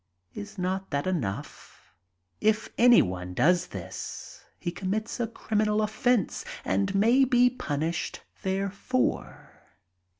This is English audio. Is not that enough? If anyope does this he commits a criminal offense and may be punished therefor.